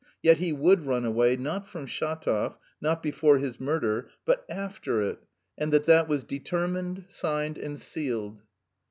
yet he would run away, not from Shatov, not before his murder, but after it, and that that was determined, signed, and sealed.